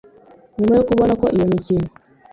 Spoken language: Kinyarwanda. nyuma yo kubona ko iyo mikino